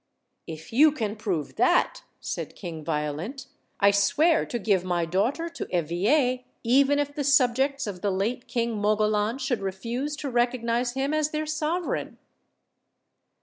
"If you can prove that," said King Violent, "I swear to give my daughter to Eveille, even if the subjects of the late King Mogolan should refuse to recognize him as their sovereign."